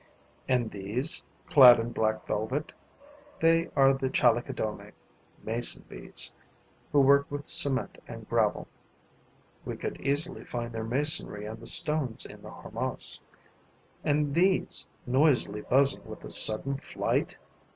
And these, clad in black velvet? They are Chalicodomae [mason bees], who work with cement and gravel. We could easily find their masonry on the stones in the harmas. And these noisily buzzing with a sudden flight?